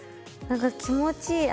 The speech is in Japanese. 何か気持ちいい